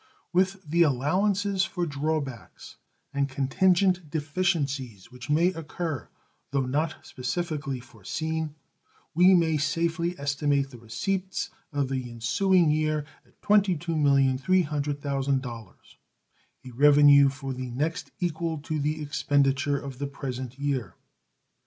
With the allowances for draw backs and contingent deficiencies which may occur, though not specifically foreseen, we may safely estimate the receipts of the ensuing year at $22,300,000 a revenue for the next equal to the expenditure of the present year.